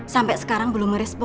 sampai sekarang belum merespon